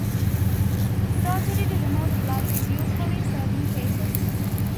Surgery to remove the blood is useful in certain cases.